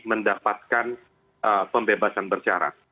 mendapatkan pembebasan bercarat